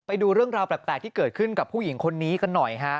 ไปดูเรื่องราวแปลกที่เกิดขึ้นกับผู้หญิงคนนี้กันหน่อยฮะ